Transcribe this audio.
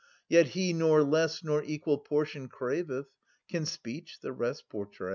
* Yet he nor less nor equal portion craveth — Can speech the rest portray